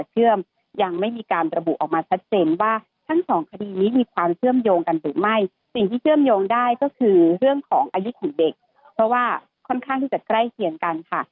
เชื่อมโยงกันหรือไม่สิ่งที่เชื่อมโยงได้ก็คือเรื่องของอายุของเด็กเพราะว่าค่อนข้างที่จะใกล้เกียรติกันค่ะ